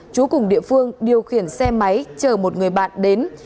chú cùng địa phương điều khiển xe máy chờ một người bạn đến